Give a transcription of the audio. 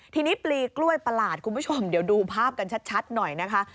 ทีนี้ปลีกล้วยประหลาดคุณผู้ชมเดี๋ยวดูภาพกันชัดหน่อยนะคะ